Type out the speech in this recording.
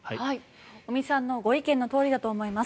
尾身さんのご意見のとおりだと思います。